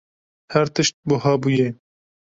Her tişt buha bûye.